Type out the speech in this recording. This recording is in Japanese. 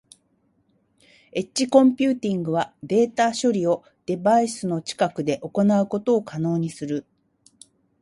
エッジコンピューティングはデータ処理をデバイスの近くで行うことを可能にする。